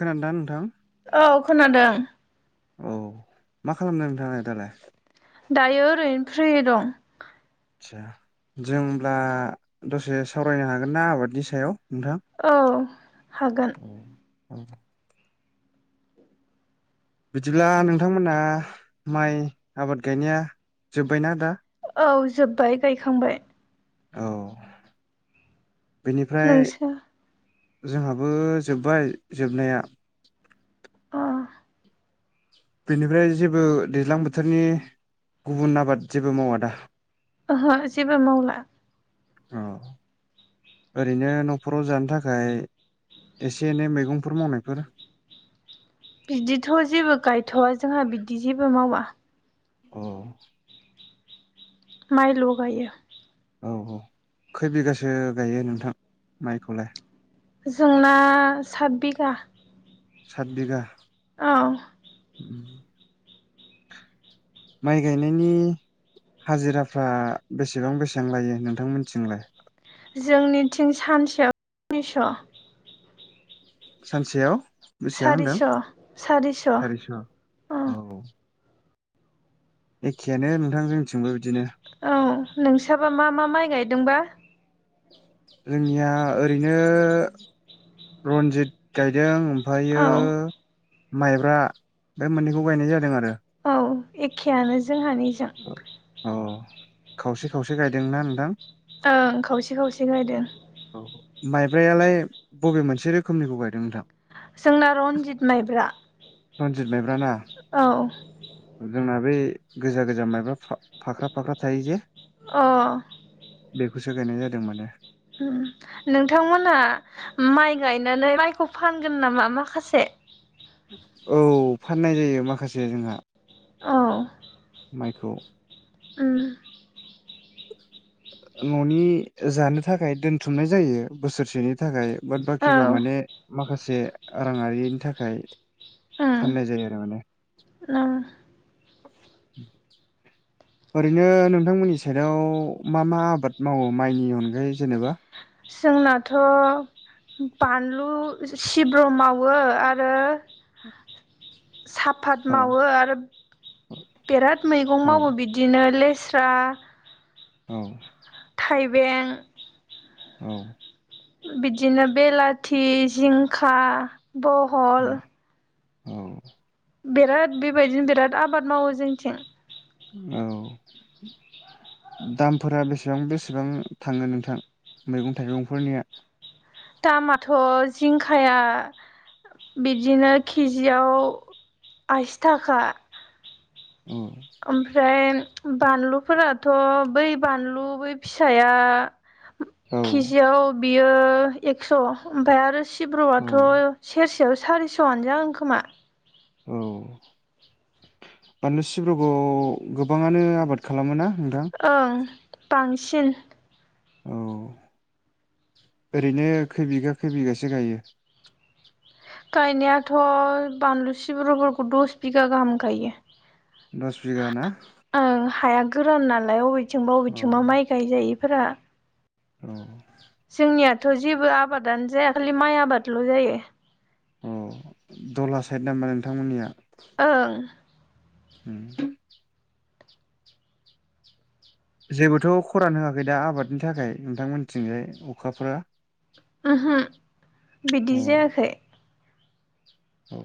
खोनादों ना नोंथां औ खोनादों औ मा खालामनो नोंथाङा दालाय दायो ओरैनो फ्रि दं आदसा जों अब्ला दसे सावरायनो हागोन ना आबादनि सायाव नोंथां औ हागोन औ [unintelligible] बिदिब्ला नोंथांमोना माइ आबाद गायनाया जोब्बायना दा औ जोब्बाय गायखांबाय औ बेनिफ्राय नोंसो जोंहाबो जोब्बाय जोबनाया अ बेनिफ्राय जेबो दैज्लां बोथोरनि गुबुन आबाद जेबो मावा दा ओहो जेबो मावला औ ओरैनो न'खराव जानो थाखाय एसे एनै मैगंफोर मावनायफोर बिदिथ' जेबो गायथ'वा जोंहा बिदि जेबो मावा औ माइल' गायो औ औ खै बिगासो गायो नोंथां माइखौलाय जोंना सात बिगा सात बिघा औ उम माइ गायनायनि हाजिराफ्रा बेसेबां बेसेबां लायो नोंथां मिथिंलाय? जोंनिथिं सानसेयाव निस' सानसेयाव! बिसिबां होनदों? सारिस' सारिस' औ। एखेयानो नोंथां जोंथिंबो बिदिनो। औ नोंसाबा मा मा माइ गायदोंबा? जोंनिया ओरैनो रन्जित गायदों औ फायो माइब्रा बे मोननैखौ गायनाय जादों आरो। औ एखेयानो जोंहानिजों। अ खावसे खावसे गायदोंना नोंथां? ओं खावसे खावसे गायदों। औ माइब्रायालाय बबे मोनसे रोखोमनिखौ गायदों नोंथां? जोंना रनजित माइब्रा। रनजित माइब्रा ना? औ जोंना बै गोजा गोजा माइब्रा फा फाख्रा फाख्रा थायो जे। अ बेखौसो गायनाय जादों माने। नोंथांमोनहा माइ गायनानै माइखौ फानगोन नामा माखासे? औ फाननाय जायो माखासे जोंहा। अ माइखौ। उम। न'नि जानो थाखाय दोनथुमनाय जायो बोसोरसेनि थाखाय। बाट औ बाखिखौ माने माखासे राङारिनि थाखाय फाननाय जायो आरो माने। ना [inaudible] ओरैनो नोंथांमोननि साइडआव मा मा आबाद मावो माइनि अनगायै जेनेबा? जोंनाथ' बानलु सिब्र' माव वो आरो साफात औ मावो आरो बेराद मैगं औ मावो बिदिनो लेस स्रा औ। थाइबें औ। बिदिनो बेलाथि, जिंखा, औ बहल औ। बेराद बेबायदिनो बेराद आबाद मावो जोंथिं। औ दामफोरा बेसेबां बेसेबां थाङो नोंथां मैगं थाइगं फोरनिया? दामाथ' जिंखाया बिब्दिनो केजियाव आसि थाखा। औ ओमफ्राय बानलुफोराथ' बै बानलु बै फिसाया औ किजियाव बियो एक्स' ओमफाय आरो सि औ सिब्रआथ' सेरसेयाव सारिस'आनो जागोन खोमा। औ बानलु सिब्रखौ गोबाङानो आबाद खालामो ना? ओं बांसिन। औ। ओरैनो खै बिगा खै बिगासो गायो? थ' बानलु सिब्र'फोरखौ दस बिगा गाहाम गायो। दस बिगा ना आं हाया गोरान नाल लाय अबेथिंबा औ अबेथिंबा माइ गायजायैफोरा। औ जोंनियाथ' जेबो आबादानो जाया खालि माइ आबादल' जायो। अ दला साइद नामबा नोंथांमोननिया ओं [unintelligible] जेबोथ' खरान होआखै दा आबादनि थाखाय नोंथांमोनथिंजाय अखाफोरा? ओहो बिदि औ जायाखै। औ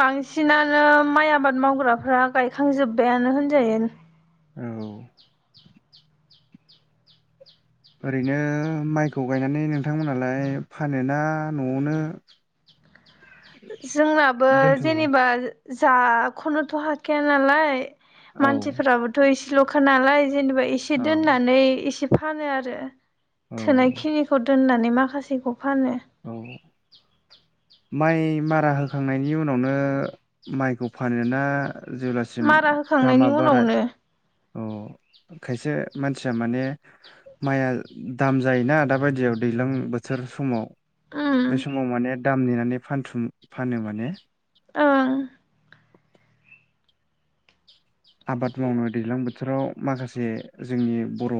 बांसिनानो माइ आबाद मावग्राफ्रा गायखांजोब्बायानो होनजायो। औ ओरैनो माइखौ गायनानै नोंथांमोनहालाय फानोना न'आवनो [inaudible] जोंनाबो दोनथुमो जेनेबा जखौनोथ' हाखाया नालाय। औ मानसिफोराबोथ' एसेल'खा नालाय जेनेबा एसे औ दोननानै एसे फानो आरो औ थोनाय खिनिखौ दोननानै माखासेखौ फानो। औ माइ मारा होखांनायनि उनावनो माइखौ फानोना? जेब्लासिम मारा दामा होखांनायनि बारायो उनावनो अ खायसे मानसिया माने मआ दाम जायोना दा बायदियाव दैजां बो बोथोर समाव उम बे समाव माने दाम नेनानै फानथुम फानो माने। ओं आबाद मावनो दैज्लां बोथोराव माखासे जोंनि बर'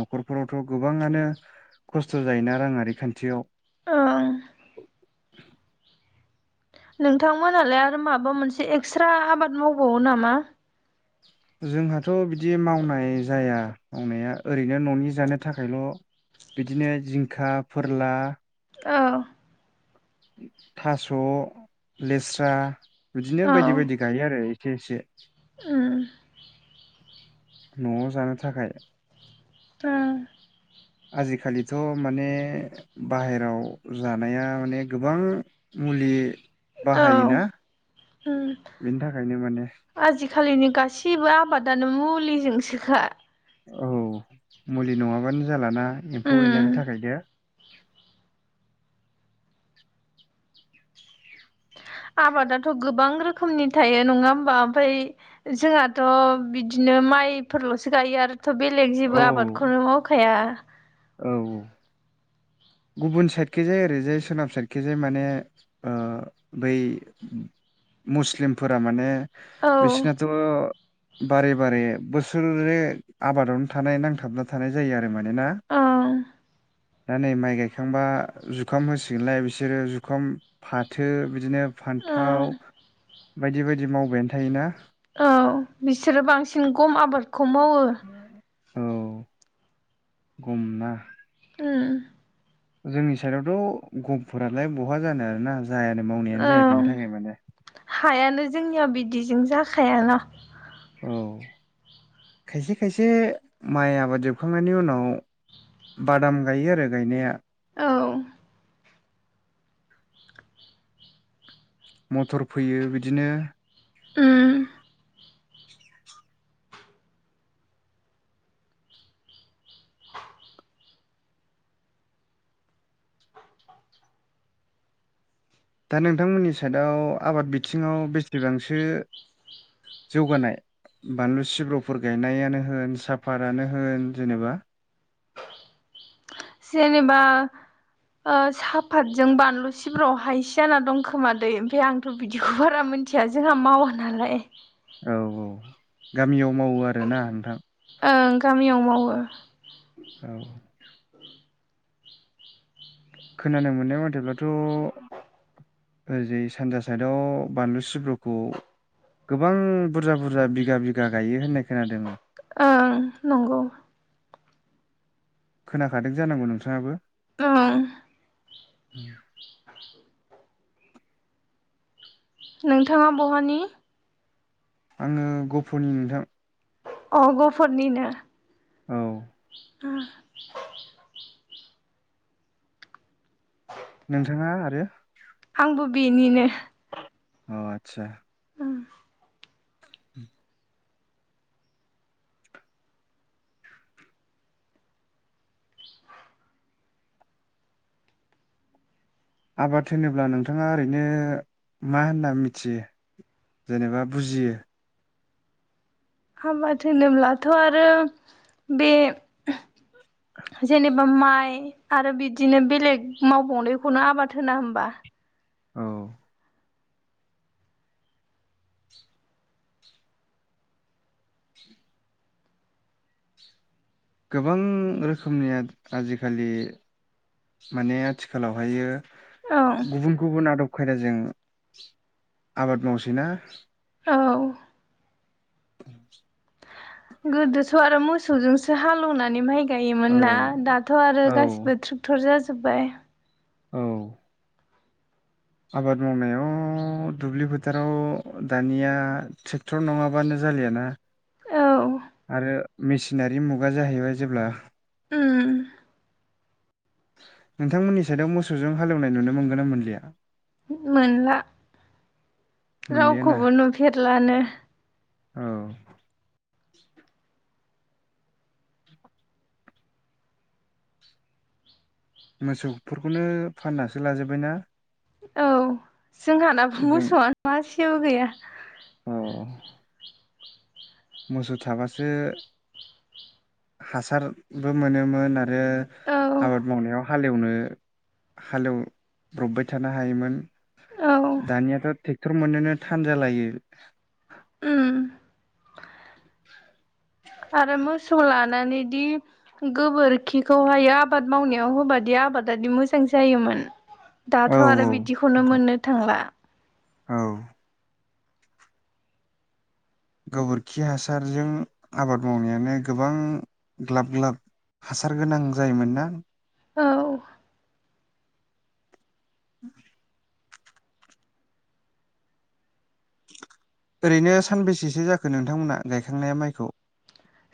न'खरफोरावथ' गोबां आाङनो खस्थ' जायोना राङारि खान्थियाव। ओं [inaudible] नोंथांमोनालाय आरो माबा मोनसे एक्सट्रा आबाद मावबावो नामा? जोंहाथ' बिदि मावनाय जाया मावनाया ओरैनो न'नि जानो थाखायल'। बिदिनो जिंखा फोरला औ थास' लेस्रा बिदिनो औ बायदि बायदि गायो आरो। खसे उम न'आव जानो थाखाय उम आजिखालिथ' माने बाहेरायाव जानाया माने गोबां मुलि औ बाहायोना बेनि थाखायनो माने। आथिखालिनि गाससिबो आबादानो मुलिजोंसोखा। औ मुलि नङाबानो जालाना एम्फौ उम एनलानि थाखाय दे [inaudible] [inaudible] आबादाथ' गोबां रोखोमनि थायो नङा होमबा ओमफ्राय जोंहाथ' बिदिनो माइफोरल'सो गायो आरोथ' बेलेग औ जेबो आबादखौनो मावखाया। औ गुबुन साइडखे जाय ओरैजाय सोनाब साइडखे जाय माने ओ बै मुस्लिमफोरा माने औ बिसिनाथ' बारे बारे बोसोरै आबादावनो थानाय नांथाबना थानाय जायो आरो। मोनोना औ दा नै माइ गायखांबा जुखाम होसिगोनलाय बिसोरो जुखाम फाथो बिदिनो औ फान्थाव बायदि बायदि मावबायानो थायोना? औ बिसोरो बांसिन गम आबादखौ मावो। औ। गुमना उम जोंनि साइडआवथ' गभफोरालाय बहा जानाय आरोना जायानो मावनायानो जाया बेनि थाखाय माने हायानो जोंनिया बिदिजों जाखायाना औ खायसे खायसे माइ आबाद जोबखांनायनि उनाव बादाम गायो आरो गायनाया औ। मटर फैयो बिदिनो उम [unintelligible] दा नोंथांमोननि साइडआव आबाद बिथिङाव बेसेबांसो जौगानाय बानलु सिब्रुफोर गायनायानो होन साफतानो होन जेनेबा जेनेबा साफातजों बानलु सिब्रावहायसे जाना दं खोमादै ओमफाय आंथ' बिदिखौ बारा मिन थिया जोंहा मावा नालाय। औ गामियाव मावो आरोना नोंथां। ओं गामियाव मावो। औ। उम खोनानो मोननाय मथेब्लाथ' ओरैजै सानजा साइदआव बानलु सिब्रुखौ गोबां बुरजा बुरजा बिगा बिगा गायो होननाय खोनादों। ओं नंगौ। खोनाखादों जानांगौ नोंथाङाबो। औ। बि आ' [inaudible] नोंथाङा बहानि आङो गफ'नि नोंथां। अ गफरनिनो औ। [unintelligible] नोंथाङा आरो आंबो बेनिनो अ आतसा [unintelligible] ह [inaudible] आबाद होनोब्ला नोंथाङा ओरैनो मा होनना मिथियो। जेनेबा बुजियो हाबा होनोनोब्लाथ' आरो बे जेनेबा माइ आरो बिदिनो बेलेग मावबावनायखौनो आबाद होना होमबा? औ। गोबां रोखोमनिया आजिखालि माने आथिखालावहायो गुबुन गुबुन आदब खायदाजों आबाद मावसै ना औ। [unintelligible] गोदोथ' आरो मोसौजोंसो हालौवनानै माइ गायोमोन औ ना दाथ' आरो औ गासिबो ट्रेक्टर जाजोब्बाय। औ। आबाद मावनायाव दुब्लि फोथाराव दानिया ट्रेक्टर नङाबानो ज जालियाना औ आरो मेसिनारि मुगा जाहैबाय जेब्ला ओम नोंथांमोननि सदायाव मोसौजों हालेवनाय नुनो मोनगोन ना मोनलिया मोनला मोनलियाना रावखौबो नुफेरलानो औ मोसौफोरखौनो फाननासो लाजोब्बायनाा औ जोंहानाब मोसौआ मासेबो गैया औ मोसौ थाबासो हासारबो मोनोमोन आरो आरो औ आबाद मावनायाव हालेवनो हालेवब्रबबाय थानो हायोमोन औ दानियाथ' ट्रेक्टर मोननोनो थान जालायो उओ [unintelligible] आरो मोसौ लानानैदि गोबोरखिखौहाय आबाद मावनायाव होबायादि आ आबादादि मोजां जायोमोन औ दाथ' औ आरो बिदिखौनो नोंथां मोननो थांला औ गोबोरखि हासारजों आबाद मावनायानो गोबां ग्लाब ग्लाब हासार गोनां जायोमोन ना औ [unintelligible] ओरैनो सानबेसेसो जाखो नोंथांमोना गायखांनाया माइखौ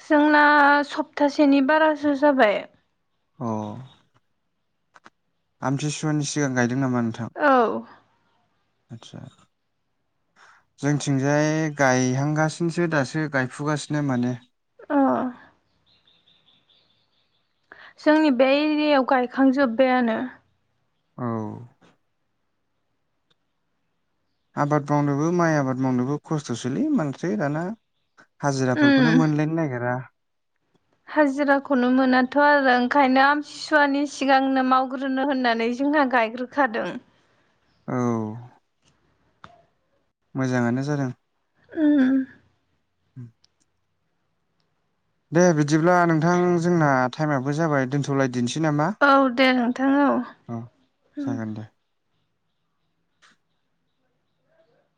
जोंना सप्तासेनि बारासो जाबाय अ आमथिसुवानि सिगां गायदों नामा नोंथां औ आदसा जोंथिंजाय गायहांगासिनोसो दासो गायफुगासिनो माने अ जोंनि बे एरियायाव गायखांजोब्बायानो औ आबाद मावनोबो माइ आबाद मावनोबो खस्थ'सोलै माथो दाना हाजिराफोरखौनो उम मोनलायनो नागिरा हाजिराखौनो मोनाथ' आरो ओंखायनो आम सिसुवानि सिगांनो मावग्रोनो होननानै जोंना गायग्रोखादों औ मोजाङानो जादों ओ उ दे बिदिब्ला नोंथां जोंना टाइमाबो जाबाय दोनथ'लाय दिनसै नामा औ दे नोंथां औ उम जागोन दे